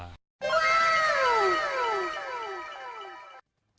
ว้าว